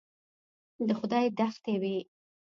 د خدای دښتې وې.